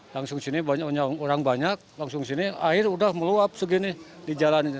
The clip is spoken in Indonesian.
langsung sini banyak orang langsung sini air udah meluap segini di jalan